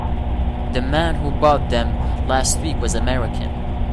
The man who bought them last week was American.